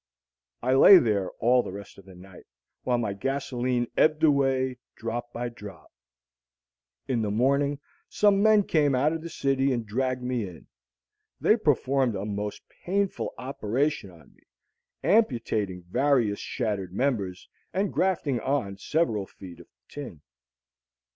I lay there all the rest of the night, while my gasolene ebbed away drop by drop. In the morning some men came out from the city and dragged me in. They performed a most painful operation on me, amputating various shattered members and grafting on several feet of tin.